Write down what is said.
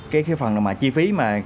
cái phần chi phí mà